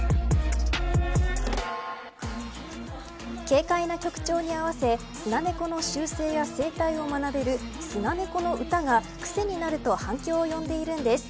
軽快な曲調に合わせスナネコの習性や生態を学べるスナネコのうたがくせになると反響を呼んでいるんです。